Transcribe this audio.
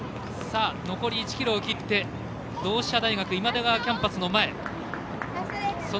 残り１ｋｍを切って同志社大学今出川キャンパスの前。